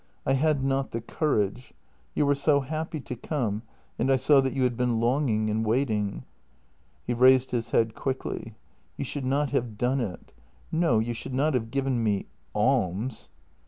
I had not the courage. You were so happy to come, and I saw that you had been longing and waiting." He raised his head quickly: " You should not have done it. No, you should not have given me — alms."